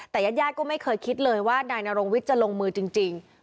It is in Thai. ที่ผ่านมาเคยข่มขู่ก็จริง